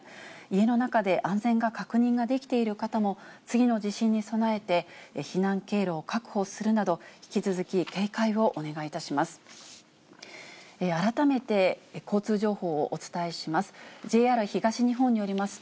家の中で安全が確認できている方も、次の地震に備えて、避難経路を確保するなど、引き続き、警戒をお願いいたします。